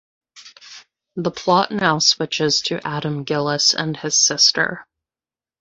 The plot now switches to Adam Gillis and his sister.